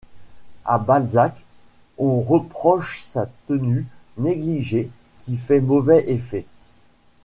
À Balzac, on reproche sa tenue négligée qui fait mauvais effet.